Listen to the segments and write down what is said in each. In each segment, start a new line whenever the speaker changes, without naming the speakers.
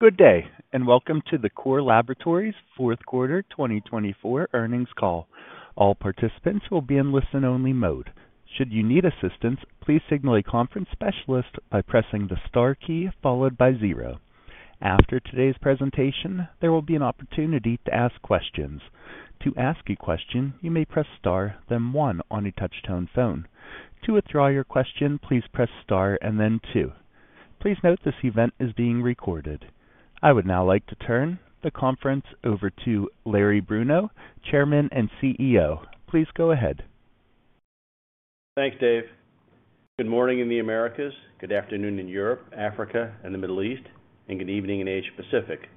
Good day, and welcome to the Core Laboratories Fourth Quarter 2024 Earnings Call. All participants will be in listen-only mode. Should you need assistance, please signal a conference specialist by pressing the star key followed by zero. After today's presentation, there will be an opportunity to ask questions. To ask a question, you may press star, then one on a touch-tone phone. To withdraw your question, please press star and then two. Please note this event is being recorded. I would now like to turn the conference over to Larry Bruno, Chairman and CEO. Please go ahead.
Thanks, Dave. Good morning in the Americas, good afternoon in Europe, Africa, and the Middle East, and good evening in Asia Pacific.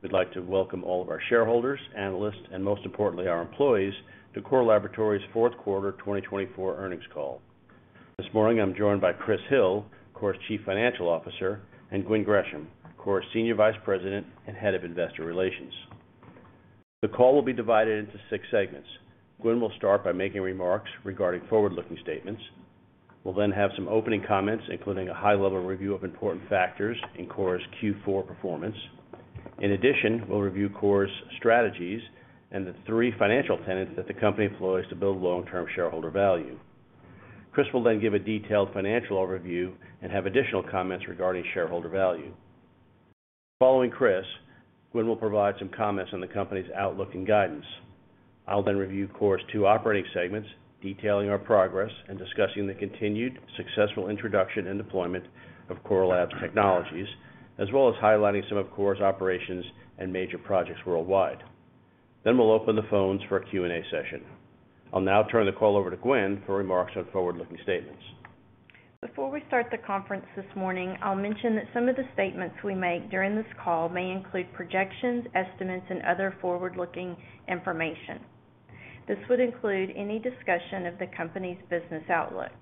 We'd like to welcome all of our shareholders, analysts, and most importantly, our employees to Core Laboratories Fourth Quarter 2024 Earnings Call. This morning, I'm joined by Chris Hill, Core's Chief Financial Officer, and Gwen Gresham, Core's Senior Vice President and Head of Investor Relations. The call will be divided into six segments. Gwen will start by making remarks regarding forward-looking statements. We'll then have some opening comments, including a high-level review of important factors in Core's Q4 performance. In addition, we'll review Core's strategies and the three financial tenets that the company employs to build long-term shareholder value. Chris will then give a detailed financial overview and have additional comments regarding shareholder value. Following Chris, Gwen will provide some comments on the company's outlook and guidance. I'll then review Core's two operating segments, detailing our progress and discussing the continued successful introduction and deployment of Core Labs technologies, as well as highlighting some of Core's operations and major projects worldwide. Then we'll open the phones for a Q&A session. I'll now turn the call over to Gwen for remarks on forward-looking statements.
Before we start the conference this morning, I'll mention that some of the statements we make during this call may include projections, estimates, and other forward-looking information. This would include any discussion of the company's business outlook.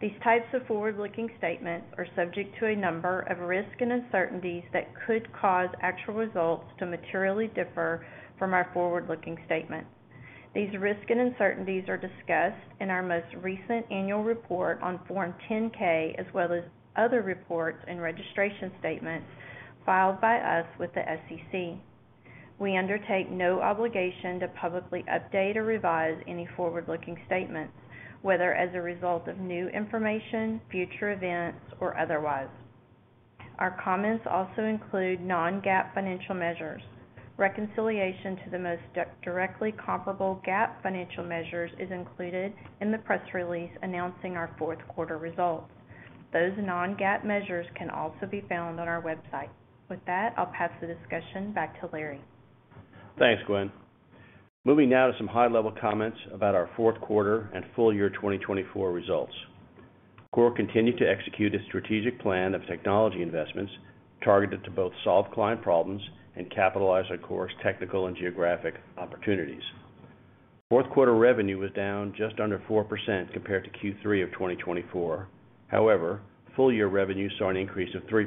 These types of forward-looking statements are subject to a number of risks and uncertainties that could cause actual results to materially differ from our forward-looking statements. These risks and uncertainties are discussed in our most recent annual report on Form 10-K, as well as other reports and registration statements filed by us with the SEC. We undertake no obligation to publicly update or revise any forward-looking statements, whether as a result of new information, future events, or otherwise. Our comments also include non-GAAP financial measures. Reconciliation to the most directly comparable GAAP financial measures is included in the press release announcing our fourth quarter results. Those non-GAAP measures can also be found on our website. With that, I'll pass the discussion back to Larry.
Thanks, Gwen. Moving now to some high-level comments about our fourth quarter and full year 2024 results. Core continued to execute its strategic plan of technology investments targeted to both solve client problems and capitalize on Core's technical and geographic opportunities. Fourth quarter revenue was down just under 4% compared to Q3 of 2024. However, full year revenue saw an increase of 3%.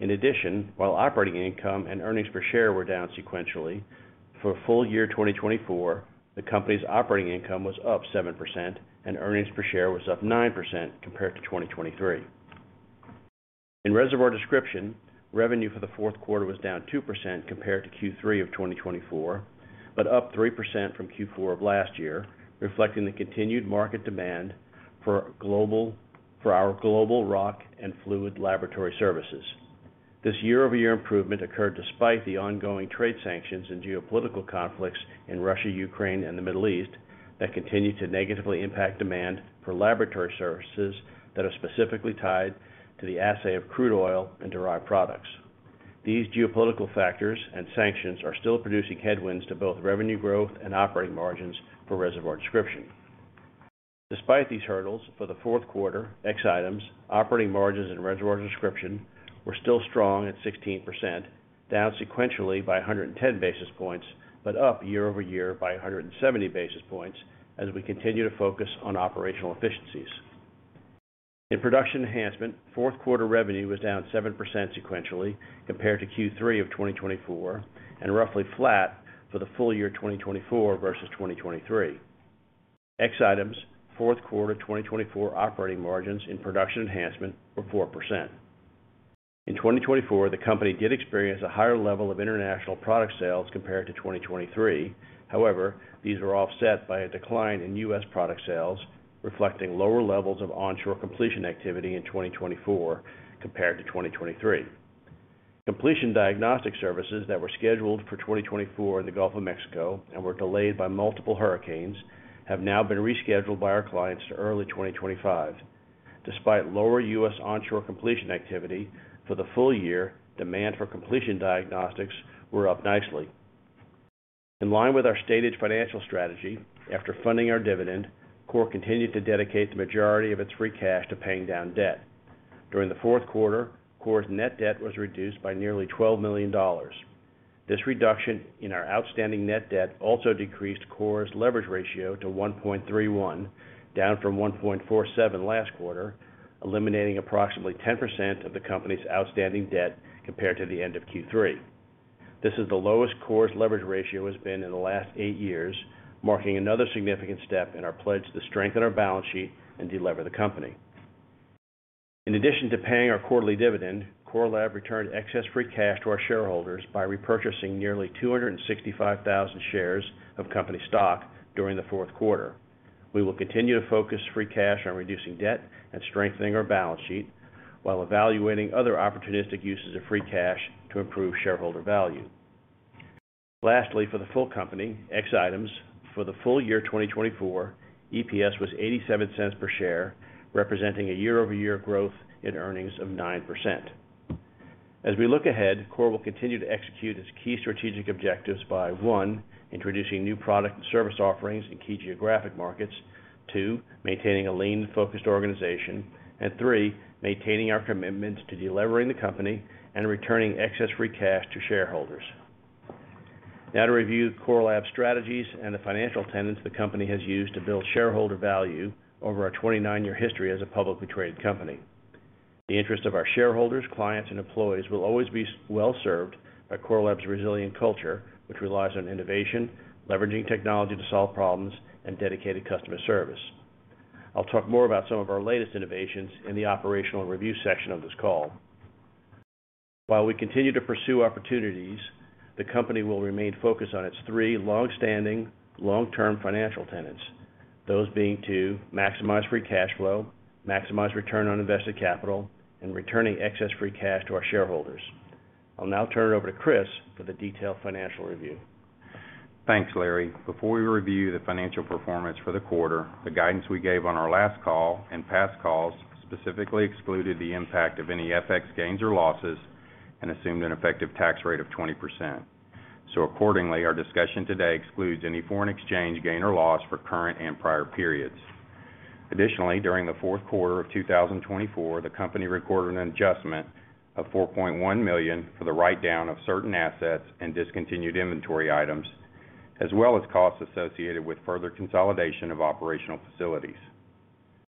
In addition, while operating income and earnings per share were down sequentially, for full year 2024, the company's operating income was up 7% and earnings per share was up 9% compared to 2023. In reservoir description, revenue for the fourth quarter was down 2% compared to Q3 of 2024, but up 3% from Q4 of last year, reflecting the continued market demand for our global rock and fluid laboratory services. This year-over-year improvement occurred despite the ongoing trade sanctions and geopolitical conflicts in Russia, Ukraine, and the Middle East that continue to negatively impact demand for laboratory services that are specifically tied to the assay of crude oil and derived products. These geopolitical factors and sanctions are still producing headwinds to both revenue growth and operating margins for reservoir description. Despite these hurdles, for the fourth quarter, ex-items, operating margins in reservoir description were still strong at 16%, down sequentially by 110 basis points, but up year-over-year by 170 basis points as we continue to focus on operational efficiencies. In production enhancement, fourth quarter revenue was down 7% sequentially compared to Q3 of 2024 and roughly flat for the full year 2024 versus 2023. Ex-items, fourth quarter 2024 operating margins in production enhancement were 4%. In 2024, the company did experience a higher level of international product sales compared to 2023. However, these were offset by a decline in U.S. product sales, reflecting lower levels of onshore completion activity in 2024 compared to 2023. Completion diagnostic services that were scheduled for 2024 in the Gulf of Mexico and were delayed by multiple hurricanes have now been rescheduled by our clients to early 2025. Despite lower U.S. onshore completion activity for the full year, demand for completion diagnostics were up nicely. In line with our stated financial strategy, after funding our dividend, Core continued to dedicate the majority of its free cash to paying down debt. During the fourth quarter, Core's net debt was reduced by nearly $12 million. This reduction in our outstanding net debt also decreased Core's leverage ratio to 1.31, down from 1.47 last quarter, eliminating approximately 10% of the company's outstanding debt compared to the end of Q3. This is the lowest Core's leverage ratio has been in the last eight years, marking another significant step in our pledge to strengthen our balance sheet and de-lever the company. In addition to paying our quarterly dividend, Core Lab returned excess free cash to our shareholders by repurchasing nearly 265,000 shares of company stock during the fourth quarter. We will continue to focus free cash on reducing debt and strengthening our balance sheet while evaluating other opportunistic uses of free cash to improve shareholder value. Lastly, for the full company, ex-items, for the full year 2024, EPS was $0.87 per share, representing a year-over-year growth in earnings of 9%. As we look ahead, Core will continue to execute its key strategic objectives by, one, introducing new product and service offerings in key geographic markets, two, maintaining a lean-focused organization, and three, maintaining our commitment to de-levering the company and returning excess free cash to shareholders. Now, to review Core Lab's strategies and the financial tenets the company has used to build shareholder value over our 29-year history as a publicly traded company. The interests of our shareholders, clients, and employees will always be well served by Core Lab's resilient culture, which relies on innovation, leveraging technology to solve problems, and dedicated customer service. I'll talk more about some of our latest innovations in the operational review section of this call. While we continue to pursue opportunities, the company will remain focused on its three long-standing, long-term financial tenets, those being to maximize free cash flow, maximize return on invested capital, and returning excess free cash to our shareholders. I'll now turn it over to Chris for the detailed financial review.
Thanks, Larry. Before we review the financial performance for the quarter, the guidance we gave on our last call and past calls specifically excluded the impact of any FX gains or losses and assumed an effective tax rate of 20%. So accordingly, our discussion today excludes any foreign exchange gain or loss for current and prior periods. Additionally, during the fourth quarter of 2024, the company recorded an adjustment of $4.1 million for the write-down of certain assets and discontinued inventory items, as well as costs associated with further consolidation of operational facilities.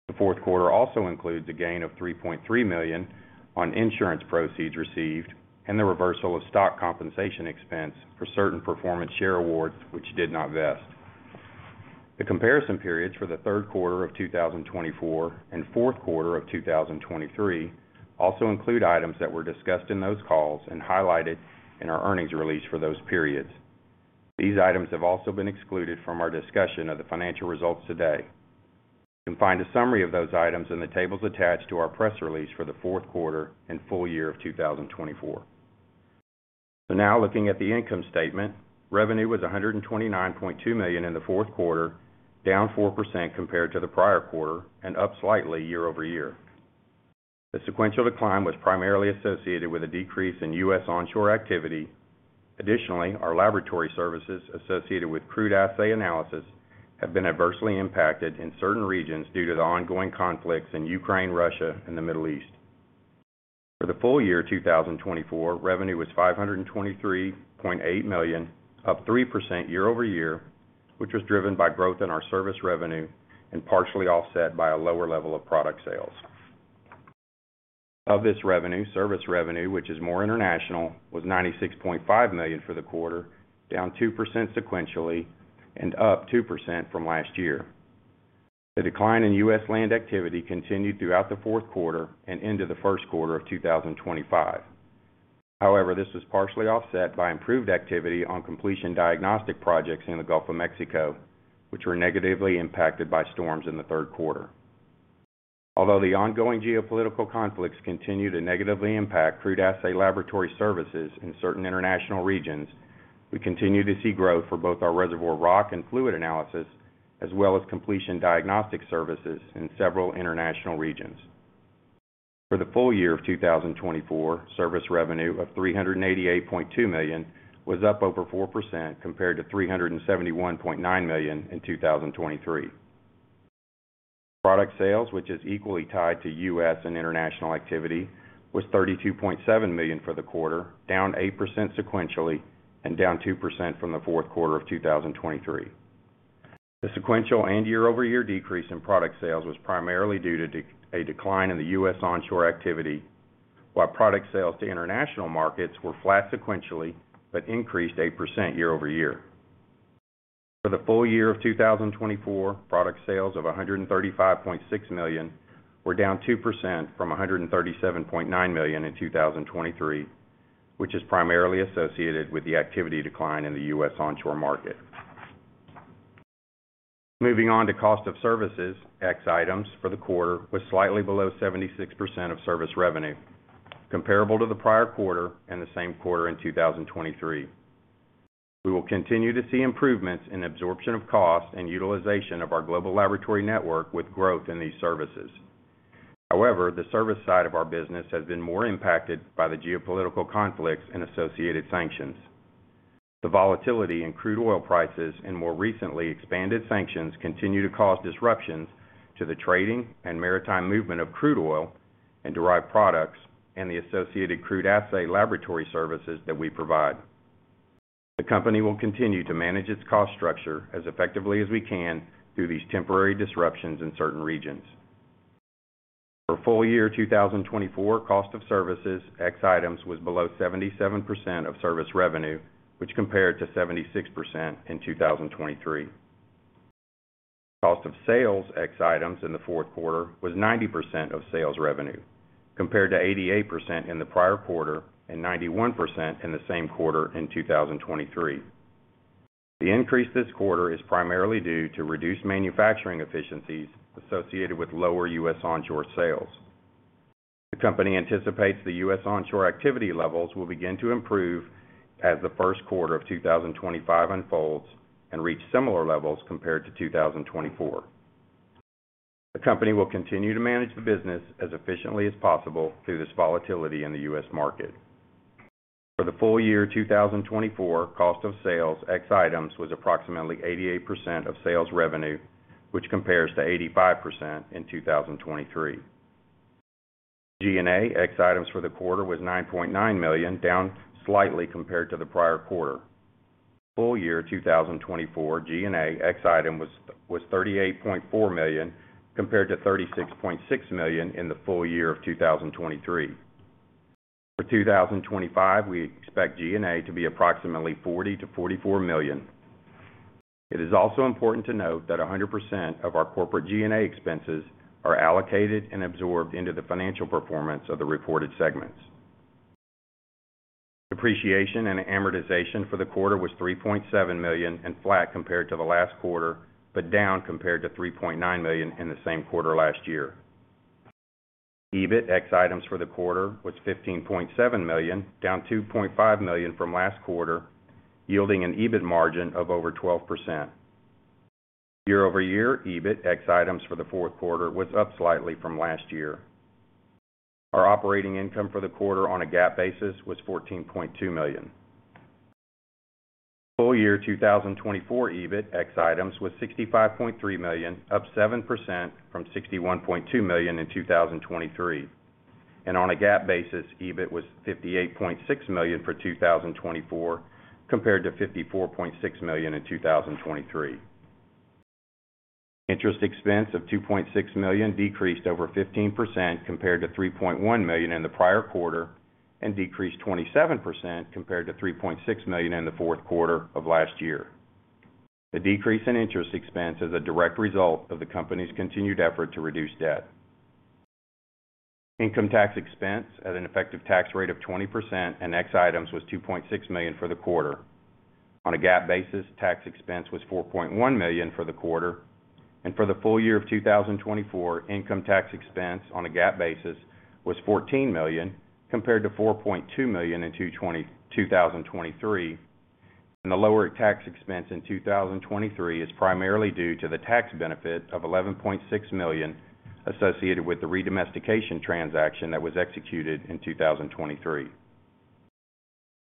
The fourth quarter also includes a gain of $3.3 million on insurance proceeds received and the reversal of stock compensation expense for certain performance share awards which did not vest. The comparison periods for the third quarter of 2024 and fourth quarter of 2023 also include items that were discussed in those calls and highlighted in our earnings release for those periods. These items have also been excluded from our discussion of the financial results today. You can find a summary of those items in the tables attached to our press release for the fourth quarter and full year of 2024. So now looking at the income statement, revenue was $129.2 million in the fourth quarter, down 4% compared to the prior quarter, and up slightly year-over-year. The sequential decline was primarily associated with a decrease in U.S. onshore activity. Additionally, our laboratory services associated with crude assay analysis have been adversely impacted in certain regions due to the ongoing conflicts in Ukraine, Russia, and the Middle East. For the full year 2024, revenue was $523.8 million, up 3% year-over-year, which was driven by growth in our service revenue and partially offset by a lower level of product sales. Of this revenue, service revenue, which is more international, was $96.5 million for the quarter, down 2% sequentially and up 2% from last year. The decline in U.S. land activity continued throughout the fourth quarter and into the first quarter of 2025. However, this was partially offset by improved activity on completion diagnostic projects in the Gulf of Mexico, which were negatively impacted by storms in the third quarter. Although the ongoing geopolitical conflicts continue to negatively impact crude assay laboratory services in certain international regions, we continue to see growth for both our reservoir rock and fluid analysis, as well as completion diagnostic services in several international regions. For the full year of 2024, service revenue of $388.2 million was up over 4% compared to $371.9 million in 2023. Product sales, which is equally tied to U.S. and international activity, was $32.7 million for the quarter, down 8% sequentially and down 2% from the fourth quarter of 2023. The sequential and year-over-year decrease in product sales was primarily due to a decline in the U.S. onshore activity, while product sales to international markets were flat sequentially but increased 8% year-over-year. For the full year of 2024, product sales of $135.6 million were down 2% from $137.9 million in 2023, which is primarily associated with the activity decline in the U.S. onshore market. Moving on to cost of services, excluding items for the quarter was slightly below 76% of service revenue, comparable to the prior quarter and the same quarter in 2023. We will continue to see improvements in absorption of cost and utilization of our global laboratory network with growth in these services. However, the service side of our business has been more impacted by the geopolitical conflicts and associated sanctions. The volatility in crude oil prices and more recently expanded sanctions continue to cause disruptions to the trading and maritime movement of crude oil and derived products and the associated crude assay laboratory services that we provide. The company will continue to manage its cost structure as effectively as we can through these temporary disruptions in certain regions. For full year 2024, cost of services excluding items was below 77% of service revenue, which compared to 76% in 2023. Cost of sales excluding items in the fourth quarter was 90% of sales revenue, compared to 88% in the prior quarter and 91% in the same quarter in 2023. The increase this quarter is primarily due to reduced manufacturing efficiencies associated with lower U.S. onshore sales. The company anticipates the U.S. onshore activity levels will begin to improve as the first quarter of 2025 unfolds and reach similar levels compared to 2024. The company will continue to manage the business as efficiently as possible through this volatility in the U.S. market. For the full year 2024, cost of sales ex-items was approximately 88% of sales revenue, which compares to 85% in 2023. G&A ex-items for the quarter was $9.9 million, down slightly compared to the prior quarter. Full year 2024, G&A ex-items was $38.4 million compared to $36.6 million in the full year of 2023. For 2025, we expect G&A to be approximately $40 million-$44 million. It is also important to note that 100% of our corporate G&A expenses are allocated and absorbed into the financial performance of the reported segments. Depreciation and amortization for the quarter was $3.7 million and flat compared to the last quarter, but down compared to $3.9 million in the same quarter last year. EBIT ex-items for the quarter was $15.7 million, down $2.5 million from last quarter, yielding an EBIT margin of over 12%. Year-over-year, EBIT ex-items for the fourth quarter was up slightly from last year. Our operating income for the quarter on a GAAP basis was $14.2 million. Full year 2024, EBIT ex-items was $65.3 million, up 7% from $61.2 million in 2023. On a GAAP basis, EBIT was $58.6 million for 2024 compared to $54.6 million in 2023. Interest expense of $2.6 million decreased over 15% compared to $3.1 million in the prior quarter and decreased 27% compared to $3.6 million in the fourth quarter of last year. The decrease in interest expense is a direct result of the company's continued effort to reduce debt. Income tax expense at an effective tax rate of 20% ex-items was $2.6 million for the quarter. On a GAAP basis, tax expense was $4.1 million for the quarter. For the full year of 2024, income tax expense on a GAAP basis was $14 million compared to $4.2 million in 2023. The lower tax expense in 2023 is primarily due to the tax benefit of $11.6 million associated with the redomestication transaction that was executed in 2023.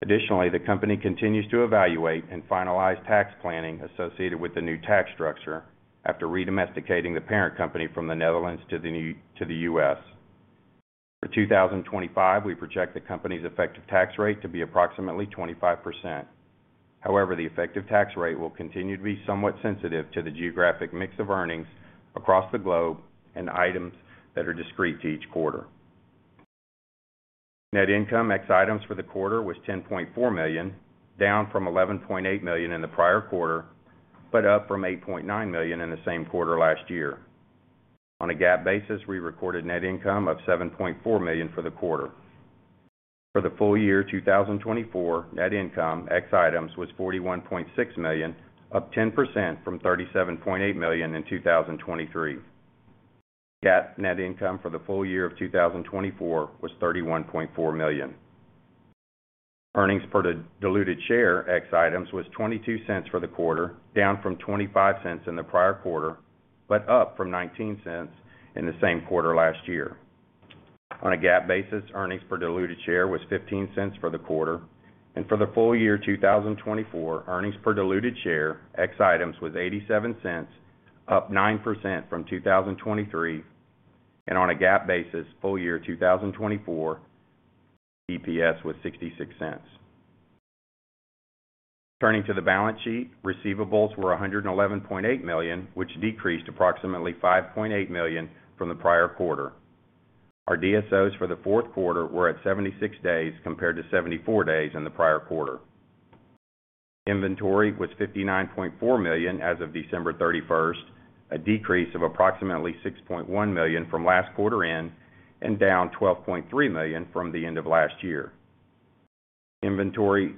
Additionally, the company continues to evaluate and finalize tax planning associated with the new tax structure after redomesticating the parent company from the Netherlands to the U.S. For 2025, we project the company's effective tax rate to be approximately 25%. However, the effective tax rate will continue to be somewhat sensitive to the geographic mix of earnings across the globe and items that are discrete to each quarter. Net income ex-items for the quarter was $10.4 million, down from $11.8 million in the prior quarter, but up from $8.9 million in the same quarter last year. On a non-GAAP basis, we recorded net income of $7.4 million for the quarter. For the full year 2024, net income, ex-items was $41.6 million, up 10% from $37.8 million in 2023. GAAP net income for the full year of 2024 was $31.4 million. Earnings per diluted share, ex-items was $0.22 for the quarter, down from $0.25 in the prior quarter, but up from $0.19 in the same quarter last year. On a GAAP basis, earnings per diluted share was $0.15 for the quarter. For the full year 2024, earnings per diluted share, ex-items was $0.87, up 9% from 2023. On a GAAP basis, full year 2024, EPS was $0.66. Turning to the balance sheet, receivables were $111.8 million, which decreased approximately $5.8 million from the prior quarter. Our DSOs for the fourth quarter were at 76 days compared to 74 days in the prior quarter. Inventory was $59.4 million as of December 31st, a decrease of approximately $6.1 million from last quarter, and down $12.3 million from the end of last year. Inventory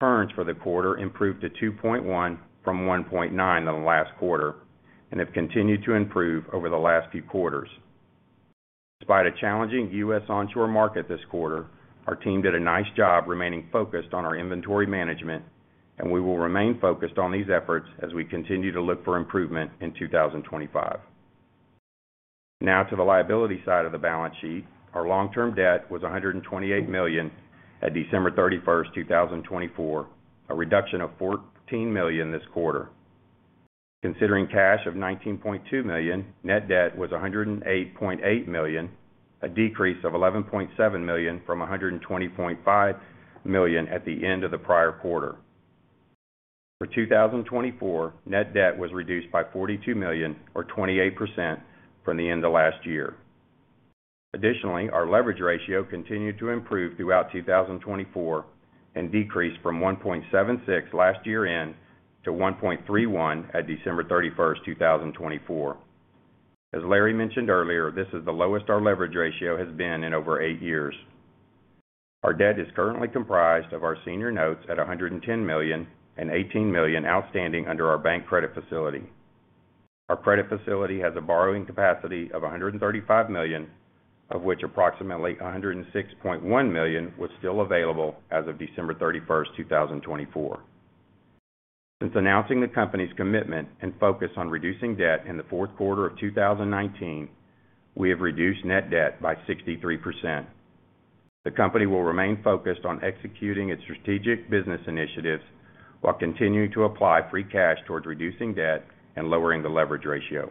turns for the quarter improved to 2.1 from 1.9 in the last quarter and have continued to improve over the last few quarters. Despite a challenging U.S. onshore market this quarter, our team did a nice job remaining focused on our inventory management, and we will remain focused on these efforts as we continue to look for improvement in 2025. Now to the liability side of the balance sheet, our long-term debt was $128 million at December 31st, 2024, a reduction of $14 million this quarter. Considering cash of $19.2 million, net debt was $108.8 million, a decrease of $11.7 million from $120.5 million at the end of the prior quarter. For 2024, net debt was reduced by $42 million, or 28% from the end of last year. Additionally, our leverage ratio continued to improve throughout 2024 and decreased from 1.76 last year into 1.31 at December 31st, 2024. As Larry mentioned earlier, this is the lowest our leverage ratio has been in over eight years. Our debt is currently comprised of our senior notes at $110 million and $18 million outstanding under our bank credit facility. Our credit facility has a borrowing capacity of $135 million, of which approximately $106.1 million was still available as of December 31st, 2024. Since announcing the company's commitment and focus on reducing debt in the fourth quarter of 2019, we have reduced net debt by 63%. The company will remain focused on executing its strategic business initiatives while continuing to apply free cash towards reducing debt and lowering the leverage ratio.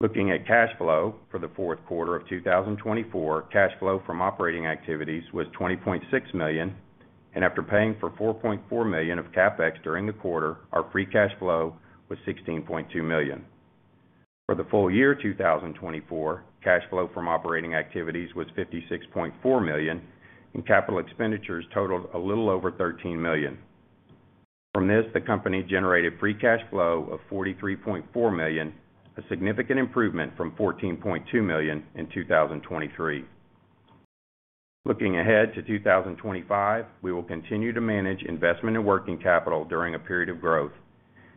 Looking at cash flow for the fourth quarter of 2024, cash flow from operating activities was $20.6 million, and after paying for $4.4 million of CapEx during the quarter, our free cash flow was $16.2 million. For the full year 2024, cash flow from operating activities was $56.4 million, and capital expenditures totaled a little over $13 million. From this, the company generated free cash flow of $43.4 million, a significant improvement from $14.2 million in 2023. Looking ahead to 2025, we will continue to manage investment and working capital during a period of growth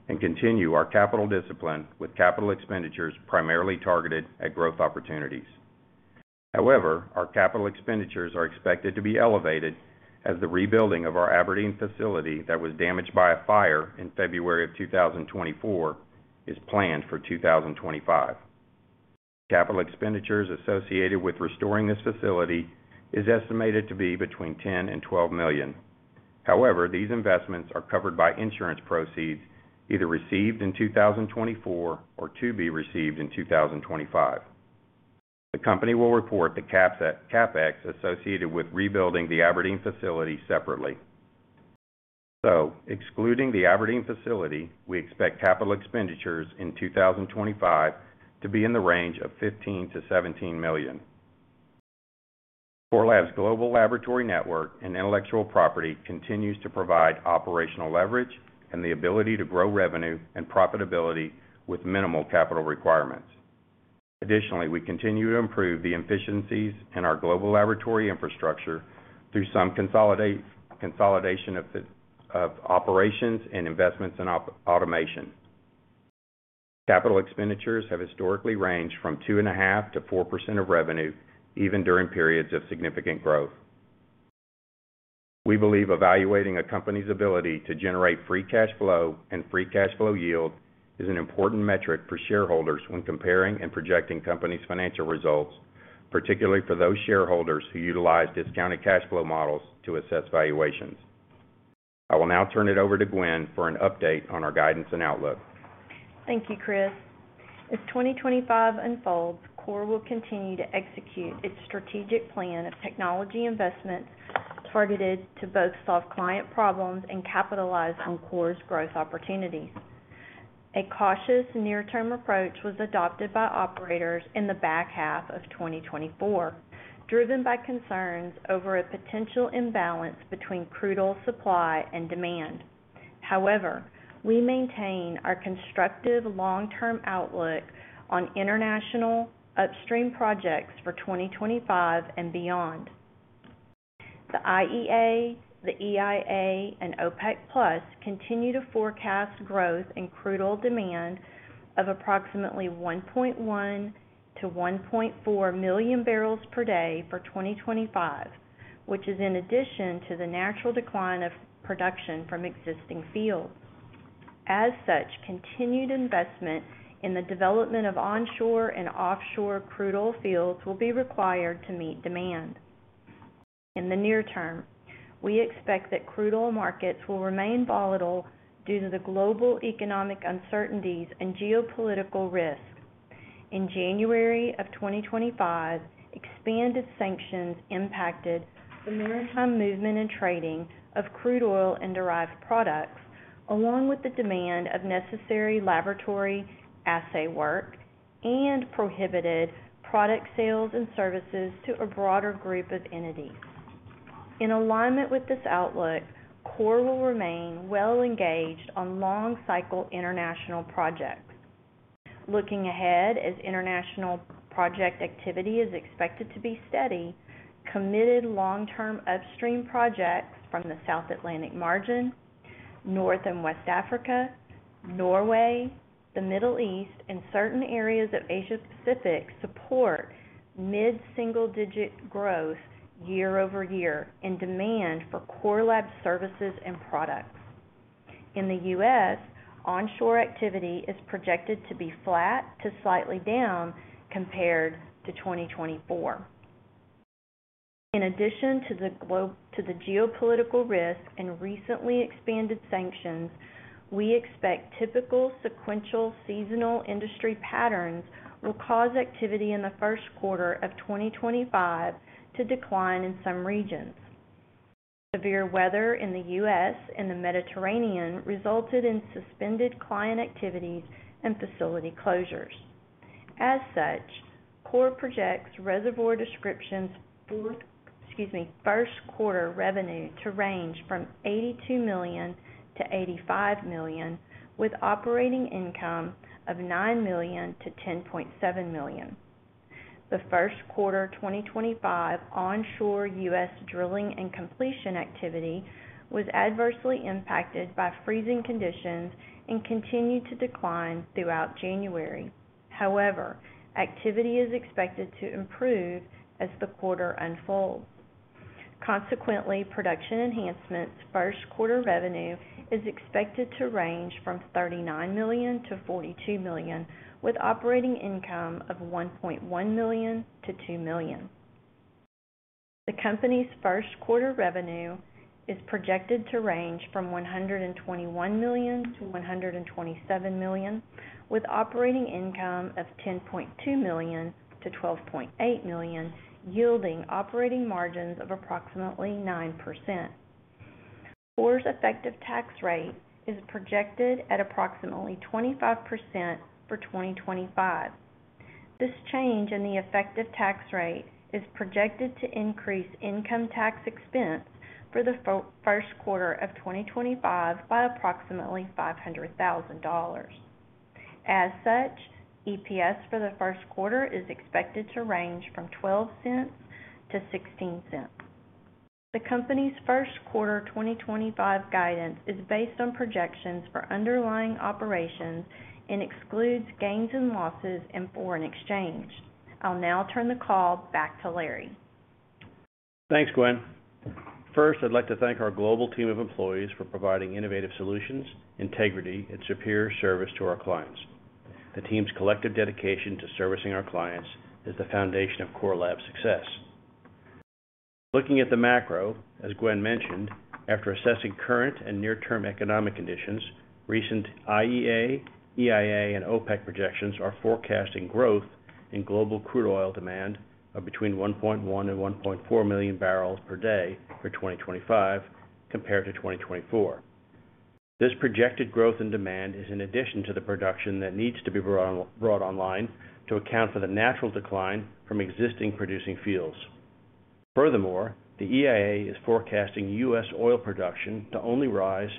and continue our capital discipline with capital expenditures primarily targeted at growth opportunities. However, our capital expenditures are expected to be elevated as the rebuilding of our Aberdeen facility that was damaged by a fire in February of 2024 is planned for 2025. Capital expenditures associated with restoring this facility are estimated to be between $10 million-$12 million. However, these investments are covered by insurance proceeds either received in 2024 or to be received in 2025. The company will report the CapEx associated with rebuilding the Aberdeen facility separately. So, excluding the Aberdeen facility, we expect capital expenditures in 2025 to be in the range of $15 million-$17 million. Core Labs Global Laboratory Network and intellectual property continues to provide operational leverage and the ability to grow revenue and profitability with minimal capital requirements. Additionally, we continue to improve the efficiencies in our global laboratory infrastructure through some consolidation of operations and investments in automation. Capital expenditures have historically ranged from 2.5%-4% of revenue, even during periods of significant growth. We believe evaluating a company's ability to generate free cash flow and free cash flow yield is an important metric for shareholders when comparing and projecting companies' financial results, particularly for those shareholders who utilize discounted cash flow models to assess valuations. I will now turn it over to Gwen for an update on our guidance and outlook.
Thank you, Chris. As 2025 unfolds, Core will continue to execute its strategic plan of technology investments targeted to both solve client problems and capitalize on Core's growth opportunities. A cautious near-term approach was adopted by operators in the back half of 2024, driven by concerns over a potential imbalance between crude oil supply and demand. However, we maintain our constructive long-term outlook on international upstream projects for 2025 and beyond. The IEA, the EIA, and OPEC+ continue to forecast growth in crude oil demand of approximately 1.1 million-1.4 million barrels per day for 2025, which is in addition to the natural decline of production from existing fields. As such, continued investment in the development of onshore and offshore crude oil fields will be required to meet demand. In the near term, we expect that crude oil markets will remain volatile due to the global economic uncertainties and geopolitical risks. In January of 2025, expanded sanctions impacted the maritime movement and trading of crude oil and derived products, along with the demand of necessary laboratory assay work and prohibited product sales and services to a broader group of entities. In alignment with this outlook, Core will remain well engaged on long-cycle international projects. Looking ahead, as international project activity is expected to be steady, committed long-term upstream projects from the South Atlantic Margin, North and West Africa, Norway, the Middle East, and certain areas of Asia-Pacific support mid-single-digit growth year over year in demand for Core Lab services and products. In the U.S., onshore activity is projected to be flat to slightly down compared to 2024. In addition to the geopolitical risk and recently expanded sanctions, we expect typical sequential seasonal industry patterns will cause activity in the first quarter of 2025 to decline in some regions. Severe weather in the U.S. and the Mediterranean resulted in suspended client activities and facility closures. As such, Core Lab projects Reservoir Description's, excuse me, first quarter revenue to range from $82 million-$85 million, with operating income of $9 million-$10.7 million. The first quarter 2025 onshore U.S. Drilling and completion activity was adversely impacted by freezing conditions and continued to decline throughout January. However, activity is expected to improve as the quarter unfolds. Consequently, Production Enhancement's first quarter revenue is expected to range from $39 million-$42 million, with operating income of $1.1 million-$2 million. The company's first quarter revenue is projected to range from $121 million-$127 million, with operating income of $10.2 million-$12.8 million, yielding operating margins of approximately 9%. Core's effective tax rate is projected at approximately 25% for 2025. This change in the effective tax rate is projected to increase income tax expense for the first quarter of 2025 by approximately $500,000. As such, EPS for the first quarter is expected to range from $0.12-$0.16. The company's first quarter 2025 guidance is based on projections for underlying operations and excludes gains and losses in foreign exchange. I'll now turn the call back to Larry.
Thanks, Gwen. First, I'd like to thank our global team of employees for providing innovative solutions, integrity, and superior service to our clients. The team's collective dedication to servicing our clients is the foundation of Core Lab's success. Looking at the macro, as Gwen mentioned, after assessing current and near-term economic conditions, recent IEA, EIA, and OPEC projections are forecasting growth in global crude oil demand of between 1.1 million and 1.4 million barrels per day for 2025 compared to 2024. This projected growth in demand is in addition to the production that needs to be brought online to account for the natural decline from existing producing fields. Furthermore, the EIA is forecasting U.S. oil production to only rise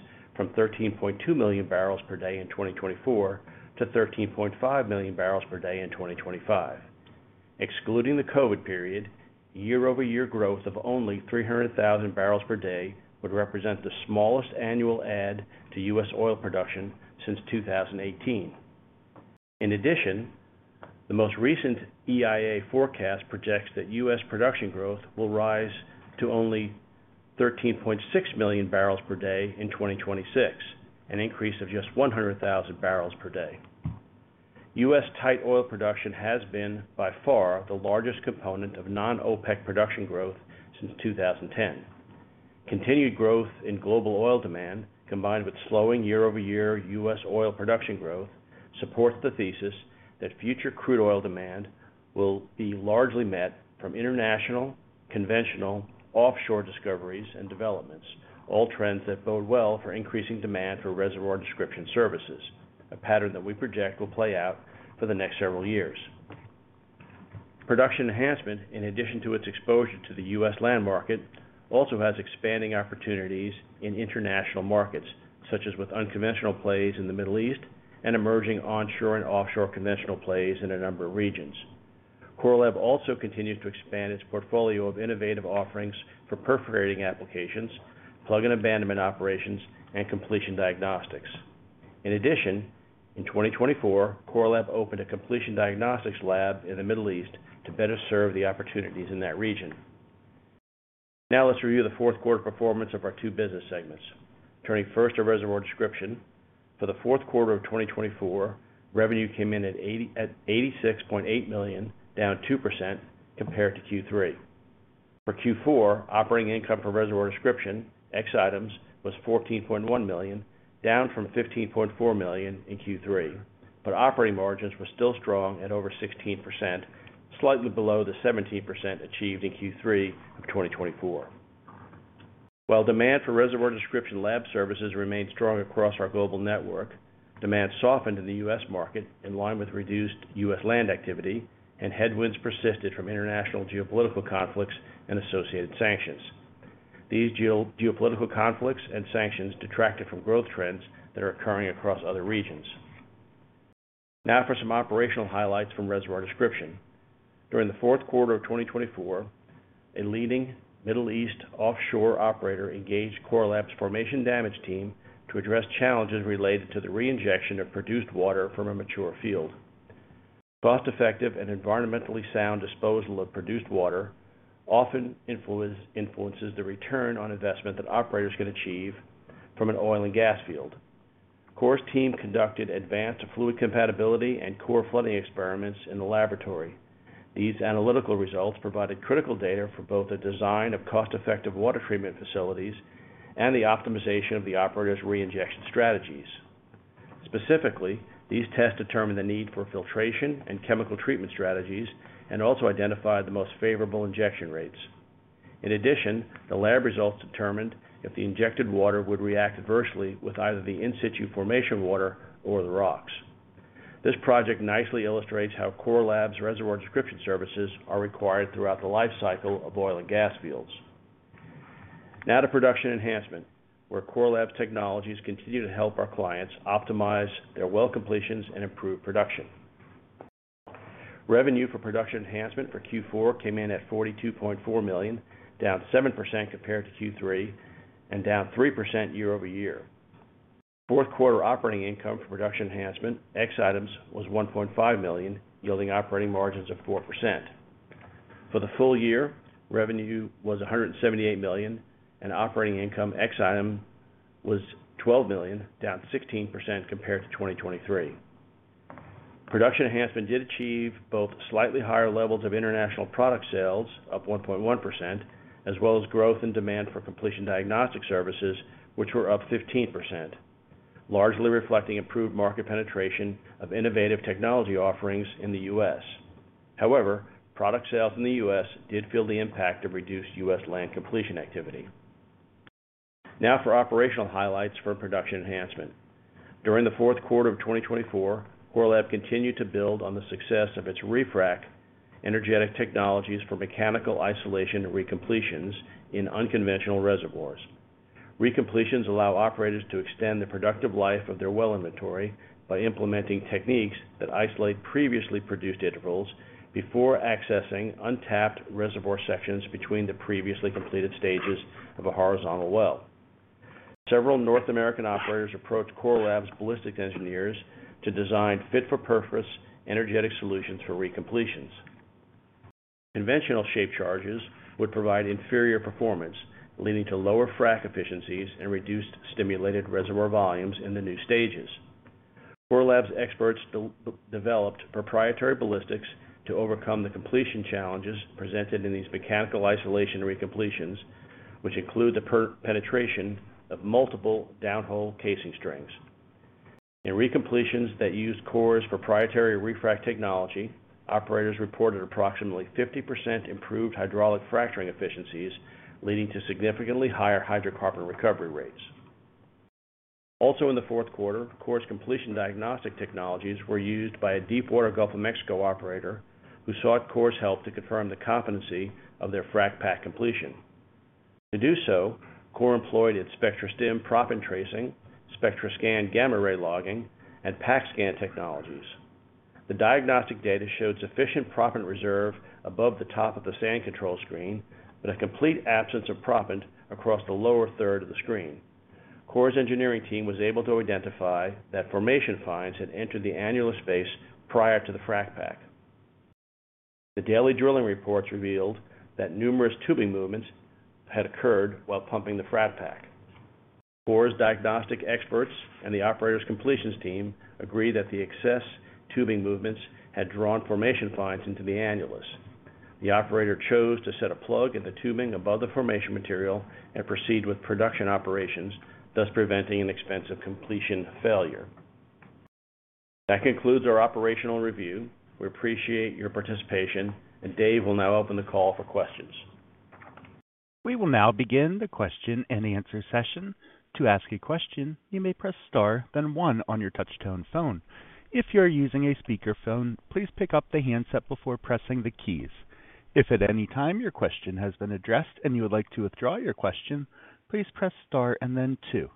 from 13.2 million barrels per day in 2024 to 13.5 million barrels per day in 2025. Excluding the COVID period, year-over-year growth of only 300,000 barrels per day would represent the smallest annual add to U.S. oil production since 2018. In addition, the most recent EIA forecast projects that U.S. production growth will rise to only 13.6 million barrels per day in 2026, an increase of just 100,000 barrels per day. U.S. tight oil production has been, by far, the largest component of non-OPEC production growth since 2010. Continued growth in global oil demand, combined with slowing year-over-year U.S. oil production growth supports the thesis that future crude oil demand will be largely met from international, conventional, offshore discoveries and developments, all trends that bode well for increasing demand for reservoir description services, a pattern that we project will play out for the next several years. Production enhancement, in addition to its exposure to the U.S. land market, also has expanding opportunities in international markets, such as with unconventional plays in the Middle East and emerging onshore and offshore conventional plays in a number of regions. Core Lab also continues to expand its portfolio of innovative offerings for perforating applications, plug and abandonment operations, and completion diagnostics. In addition, in 2024, Core Lab opened a completion diagnostics lab in the Middle East to better serve the opportunities in that region. Now, let's review the fourth quarter performance of our two business segments. Turning first to reservoir description, for the fourth quarter of 2024, revenue came in at $86.8 million, down 2% compared to Q3. For Q4, operating income for reservoir description, ex-items, was $14.1 million, down from $15.4 million in Q3, but operating margins were still strong at over 16%, slightly below the 17% achieved in Q3 of 2024. While demand for reservoir description lab services remained strong across our global network, demand softened in the U.S. market in line with reduced U.S. land activity, and headwinds persisted from international geopolitical conflicts and associated sanctions. These geopolitical conflicts and sanctions detracted from growth trends that are occurring across other regions. Now for some operational highlights from reservoir description. During the fourth quarter of 2024, a leading Middle East offshore operator engaged Core Lab's formation damage team to address challenges related to the re-injection of produced water from a mature field. Cost-effective and environmentally sound disposal of produced water often influences the return on investment that operators can achieve from an oil and gas field. Core's team conducted advanced fluid compatibility and core flooding experiments in the laboratory. These analytical results provided critical data for both the design of cost-effective water treatment facilities and the optimization of the operator's re-injection strategies. Specifically, these tests determined the need for filtration and chemical treatment strategies and also identified the most favorable injection rates. In addition, the lab results determined if the injected water would react adversely with either the in-situ formation water or the rocks. This project nicely illustrates how Core Lab's reservoir description services are required throughout the lifecycle of oil and gas fields. Now to production enhancement, where Core Lab's technologies continue to help our clients optimize their well completions and improve production. Revenue for production enhancement for Q4 came in at $42.4 million, down 7% compared to Q3, and down 3% year-over-year. Fourth quarter operating income for production enhancement, ex-items, was $1.5 million, yielding operating margins of 4%. For the full year, revenue was $178 million, and operating income, ex-item, was $12 million, down 16% compared to 2023. Production enhancement did achieve both slightly higher levels of international product sales, up 1.1%, as well as growth in demand for completion diagnostic services, which were up 15%, largely reflecting improved market penetration of innovative technology offerings in the U.S. However, product sales in the U.S. did feel the impact of reduced U.S. land completion activity. Now for operational highlights for production enhancement. During the fourth quarter of 2024, Core Lab continued to build on the success of its ReFRAC energetic technologies for mechanical isolation and re-completions in unconventional reservoirs. Re-completions allow operators to extend the productive life of their well inventory by implementing techniques that isolate previously produced intervals before accessing untapped reservoir sections between the previously completed stages of a horizontal well. Several North American operators approached Core Lab's ballistics engineers to design fit-for-purpose energetic solutions for re-completions. Conventional shaped charges would provide inferior performance, leading to lower frac efficiencies and reduced stimulated reservoir volumes in the new stages. Core Lab's experts developed proprietary ballistics to overcome the completion challenges presented in these mechanical isolation re-completions, which include the penetration of multiple downhole casing strings. In re-completions that used Core's proprietary ReFRAC technology, operators reported approximately 50% improved hydraulic fracturing efficiencies, leading to significantly higher hydrocarbon recovery rates. Also, in the fourth quarter, Core's completion diagnostic technologies were used by a Deepwater Gulf of Mexico operator who sought Core's help to confirm the competency of their frac-pack completion. To do so, Core employed its SPECTRASTIM proppant tracing, SPECTRASCAN gamma ray logging, and PACKSCAN technologies. The diagnostic data showed sufficient proppant reserve above the top of the sand control screen, but a complete absence of proppant across the lower third of the screen. Core's engineering team was able to identify that formation fines had entered the annular space prior to the frac-pack. The daily drilling reports revealed that numerous tubing movements had occurred while pumping the frac-pack. Core's diagnostic experts and the operator's completions team agreed that the excess tubing movements had drawn formation fines into the annulus. The operator chose to set a plug in the tubing above the formation material and proceed with production operations, thus preventing an expense completion failure. That concludes our operational review. We appreciate your participation, and Dave will now open the call for questions.
We will now begin the question and answer session. To ask a question, you may press star, then one on your touch-tone phone. If you're using a speakerphone, please pick up the handset before pressing the keys. If at any time your question has been addressed and you would like to withdraw your question, please press star and then two.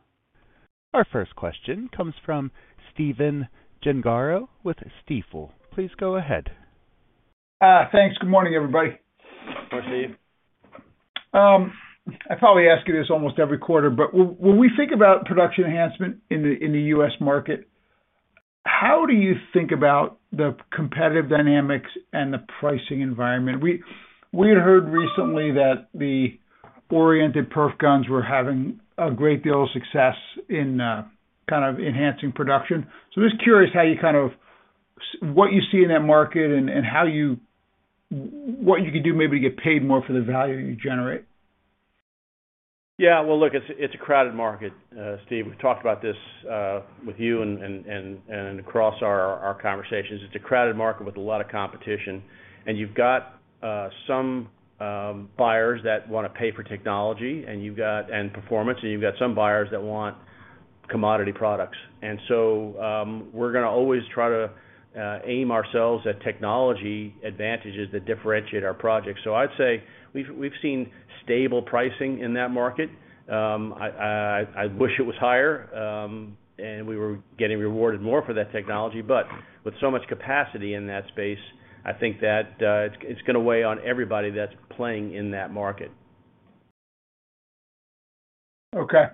Our first question comes from Stephen Gengaro with Stifel. Please go ahead.
Thanks. Good morning, everybody.
Good morning, Steve.
I probably ask you this almost every quarter, but when we think about production enhancement in the U.S. market. How do you think about the competitive dynamics and the pricing environment? We had heard recently that the oriented perf guns were having a great deal of success in kind of enhancing production. So I'm just curious how you kind of what you see in that market and how you what you could do maybe to get paid more for the value you generate.
Yeah. Well, look, it's a crowded market, Steve. We've talked about this with you and across our conversations. It's a crowded market with a lot of competition, and you've got some buyers that want to pay for technology and performance, and you've got some buyers that want commodity products. And so we're going to always try to aim ourselves at technology advantages that differentiate our projects. So I'd say we've seen stable pricing in that market. I wish it was higher, and we were getting rewarded more for that technology. But with so much capacity in that space, I think that it's going to weigh on everybody that's playing in that market.
Okay.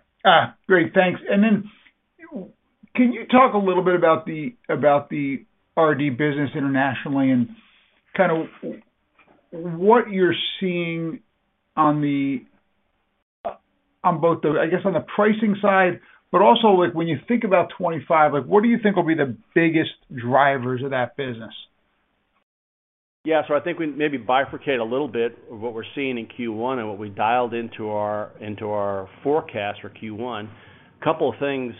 Great. Thanks. And then can you talk a little bit about the R&D business internationally and kind of what you're seeing on both the, I guess, on the pricing side, but also when you think about 2025, what do you think will be the biggest drivers of that business?
Yeah. So I think we maybe bifurcate a little bit of what we're seeing in Q1 and what we dialed into our forecast for Q1. A couple of things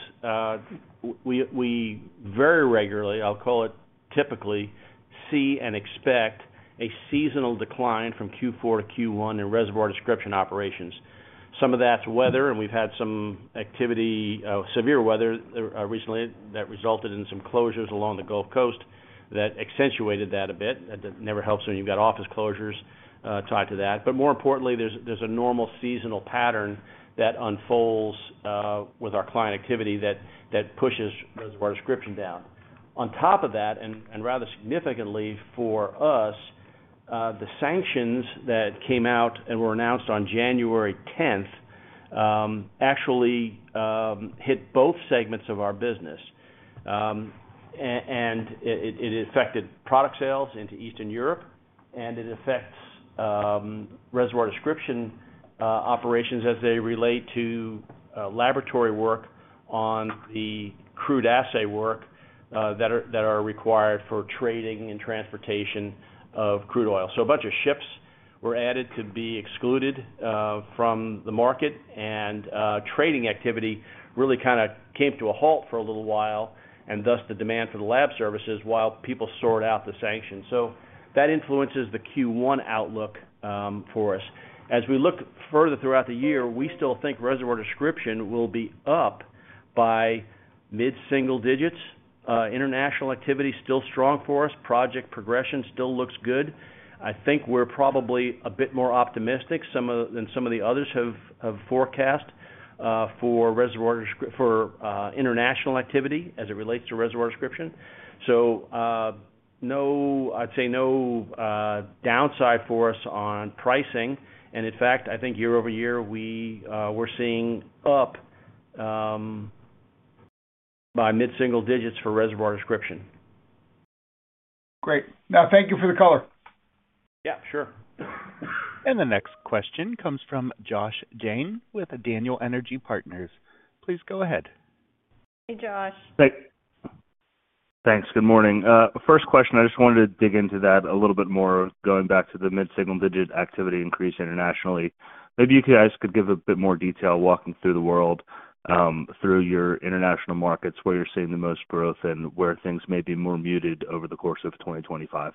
we very regularly, I'll call it typically, see and expect a seasonal decline from Q4 to Q1 in reservoir description operations. Some of that's weather, and we've had some activity, severe weather recently that resulted in some closures along the Gulf Coast that accentuated that a bit. That never helps when you've got office closures tied to that. But more importantly, there's a normal seasonal pattern that unfolds with our client activity that pushes reservoir description down. On top of that, and rather significantly for us, the sanctions that came out and were announced on January 10th actually hit both segments of our business, and it affected product sales into Eastern Europe, and it affects reservoir description operations as they relate to laboratory work on the crude assay work that are required for trading and transportation of crude oil. So a bunch of ships were added to be excluded from the market, and trading activity really kind of came to a halt for a little while, and thus the demand for the lab services while people sort out the sanctions. So that influences the Q1 outlook for us. As we look further throughout the year, we still think reservoir description will be up by mid-single digits. International activity still strong for us. Project progression still looks good. I think we're probably a bit more optimistic than some of the others have forecast for reservoir for international activity as it relates to reservoir description. So I'd say no downside for us on pricing. And in fact, I think year over year we're seeing up by mid-single digits for reservoir description.
Great. Now, thank you for the color.
Yeah. Sure.
And the next question comes from Josh Jayne with Daniel Energy Partners. Please go ahead.
Hey, Josh.
Hey. Thanks. Good morning. First question, I just wanted to dig into that a little bit more going back to the mid-single digit activity increase internationally. Maybe you guys could give a bit more detail walking through the world, through your international markets, where you're seeing the most growth and where things may be more muted over the course of 2025.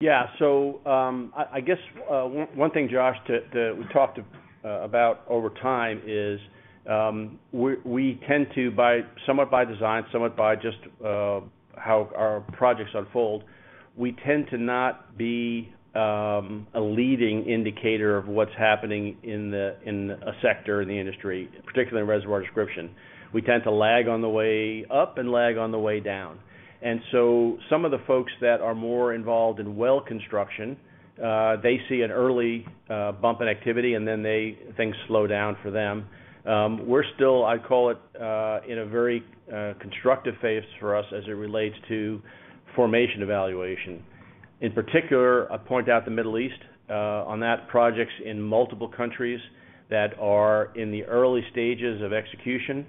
Yeah. So I guess one thing, Josh, that we talked about over time is we tend to, somewhat by design, somewhat by just how our projects unfold, we tend to not be a leading indicator of what's happening in a sector, in the industry, particularly in reservoir description. We tend to lag on the way up and lag on the way down. And so some of the folks that are more involved in well construction, they see an early bump in activity, and then things slow down for them. We're still, I'd call it, in a very constructive phase for us as it relates to formation evaluation. In particular, I point out the Middle East on that projects in multiple countries that are in the early stages of execution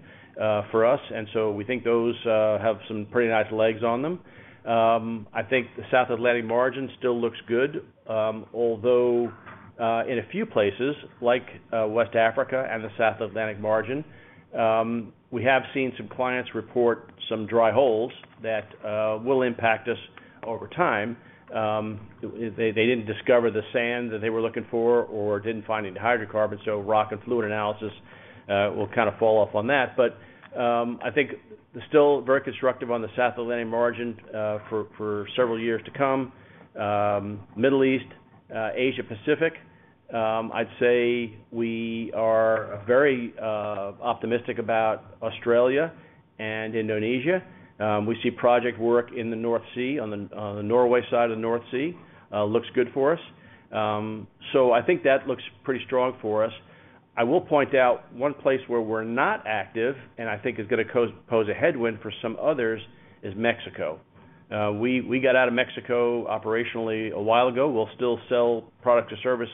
for us. And so we think those have some pretty nice legs on them. I think the South Atlantic margin still looks good, although in a few places like West Africa and the South Atlantic margin, we have seen some clients report some dry holes that will impact us over time. They didn't discover the sand that they were looking for or didn't find any hydrocarbons, so rock and fluid analysis will kind of fall off on that. But I think still very constructive on the South Atlantic margin for several years to come. Middle East, Asia-Pacific, I'd say we are very optimistic about Australia and Indonesia. We see project work in the North Sea on the Norway side of the North Sea. Looks good for us. So I think that looks pretty strong for us. I will point out one place where we're not active, and I think is going to pose a headwind for some others, is Mexico. We got out of Mexico operationally a while ago. We'll still sell product or service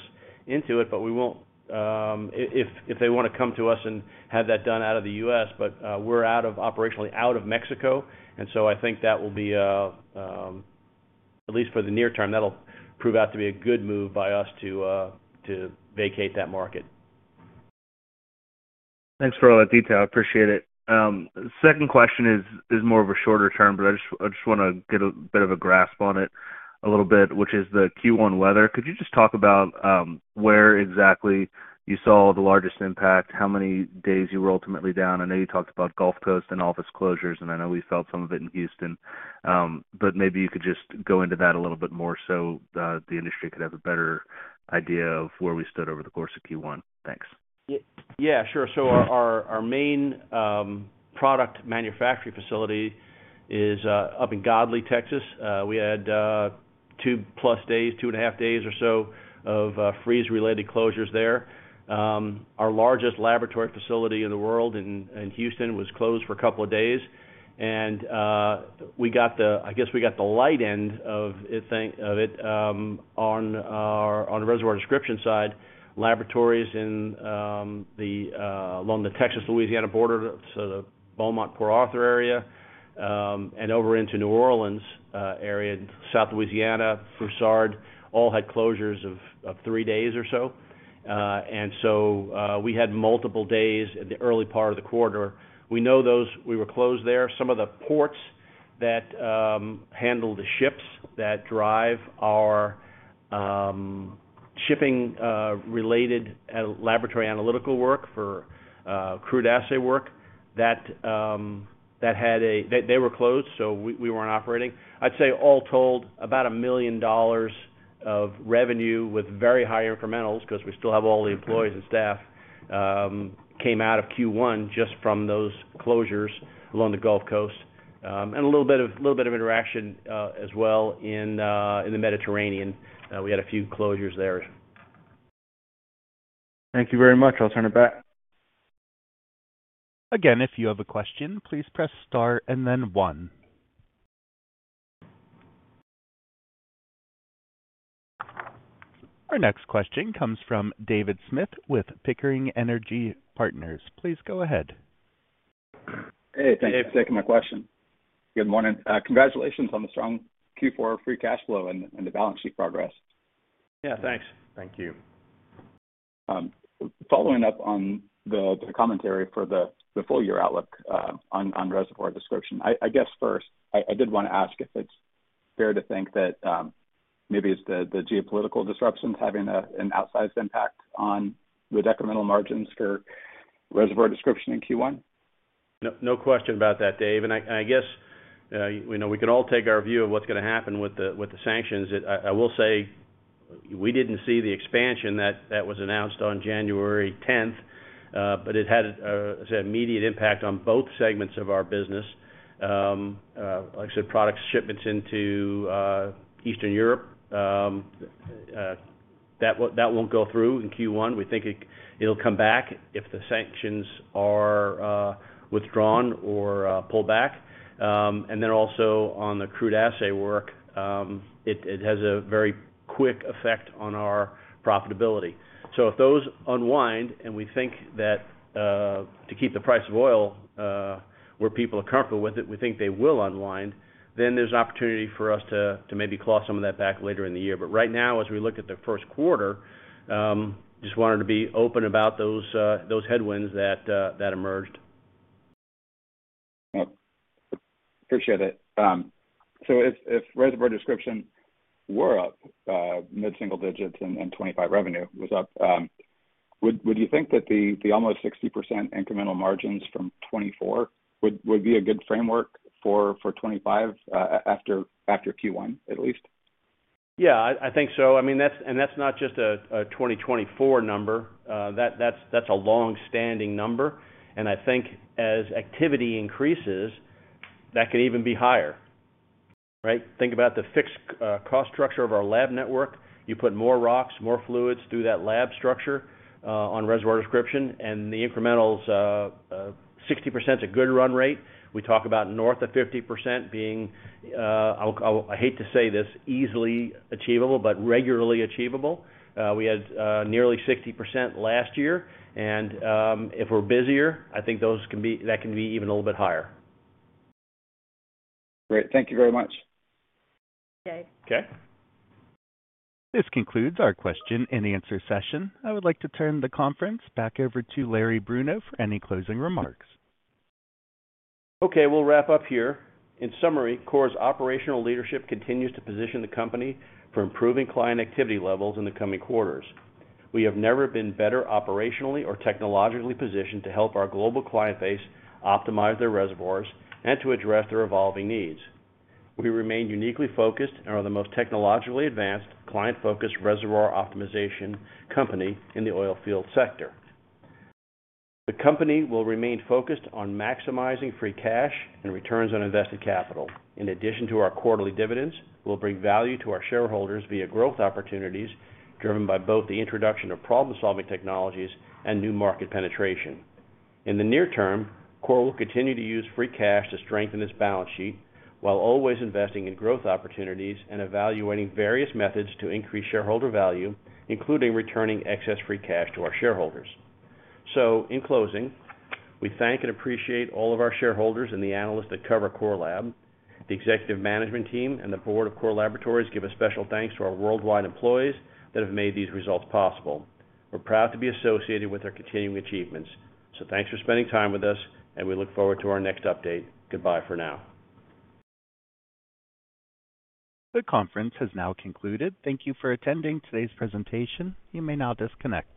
into it, but we won't if they want to come to us and have that done out of the U.S. But we're operationally out of Mexico. And so I think that will be, at least for the near term, that'll prove out to be a good move by us to vacate that market.
Thanks for all that detail. I appreciate it. Second question is more of a shorter term, but I just want to get a bit of a grasp on it a little bit, which is the Q1 weather. Could you just talk about where exactly you saw the largest impact, how many days you were ultimately down? I know you talked about Gulf Coast and office closures, and I know we felt some of it in Houston. But maybe you could just go into that a little bit more so the industry could have a better idea of where we stood over the course of Q1. Thanks.
Yeah. Sure, so our main product manufacturing facility is up in Godley, Texas. We had two-plus days, two and a half days or so of freeze-related closures there. Our largest laboratory facility in the world in Houston was closed for a couple of days. I guess we got the light end of it on the reservoir description side. Laboratories along the Texas-Louisiana border, so the Beaumont-Port Arthur area, and over into New Orleans area, South Louisiana, Broussard, all had closures of three days or so. We had multiple days in the early part of the quarter. We know those we were closed there. Some of the ports that handle the ships that drive our shipping-related laboratory analytical work for crude assay work, that had they were closed, so we weren't operating. I'd say all told, about $1 million of revenue with very high incremental because we still have all the employees and staff came out of Q1 just from those closures along the Gulf Coast. A little bit of interaction as well in the Mediterranean. We had a few closures there.
Thank you very much. I'll turn it back.
Again, if you have a question, please press star and then one. Our next question comes from David Smith with Pickering Energy Partners. Please go ahead.
Hey. Thank you. Dave's taking my question. Good morning. Congratulations on the strong Q4 free cash flow and the balance sheet progress.
Yeah. Thanks. Thank you.
Following up on the commentary for the full-year outlook on reservoir description, I guess first, I did want to ask if it's fair to think that maybe it's the geopolitical disruptions having an outsized impact on the decremental margins for reservoir description in Q1.
No question about that, Dave. And I guess we can all take our view of what's going to happen with the sanctions. I will say we didn't see the expansion that was announced on January 10th, but it had an immediate impact on both segments of our business. Like I said, product shipments into Eastern Europe, that won't go through in Q1. We think it'll come back if the sanctions are withdrawn or pulled back. And then also on the crude assay work, it has a very quick effect on our profitability. So if those unwind, and we think that to keep the price of oil where people are comfortable with it, we think they will unwind, then there's an opportunity for us to maybe claw some of that back later in the year. But right now, as we look at the first quarter, just wanted to be open about those headwinds that emerged.
Appreciate it. So if reservoir description were up, mid-single digits and 2025 revenue was up, would you think that the almost 60% incremental margins from 2024 would be a good framework for 2025 after Q1 at least?
Yeah. I think so. I mean, and that's not just a 2024 number. That's a long-standing number. And I think as activity increases, that could even be higher. Right? Think about the fixed cost structure of our lab network. You put more rocks, more fluids through that lab structure on reservoir description, and the incremental, 60% is a good run rate. We talk about north of 50% being, I hate to say this, easily achievable, but regularly achievable. We had nearly 60% last year. And if we're busier, I think that can be even a little bit higher.
Great. Thank you very much.
Okay. This concludes our question and answer session. I would like to turn the conference back over to Larry Bruno for any closing remarks.
Okay. We'll wrap up here. In summary, Core's operational leadership continues to position the company for improving client activity levels in the coming quarters. We have never been better operationally or technologically positioned to help our global client base optimize their reservoirs and to address their evolving needs. We remain uniquely focused and are the most technologically advanced client-focused reservoir optimization company in the oil field sector. The company will remain focused on maximizing free cash and returns on invested capital. In addition to our quarterly dividends, we'll bring value to our shareholders via growth opportunities driven by both the introduction of problem-solving technologies and new market penetration. In the near term, Core will continue to use free cash to strengthen its balance sheet while always investing in growth opportunities and evaluating various methods to increase shareholder value, including returning excess free cash to our shareholders. In closing, we thank and appreciate all of our shareholders and the analysts that cover Core Lab. The executive management team and the board of Core Laboratories give a special thanks to our worldwide employees that have made these results possible. We're proud to be associated with their continuing achievements. So thanks for spending time with us, and we look forward to our next update. Goodbye for now.
The conference has now concluded. Thank you for attending today's presentation. You may now disconnect.